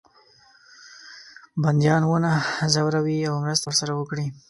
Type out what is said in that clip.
بندیان ونه زوروي او مرسته ورسره وکړي.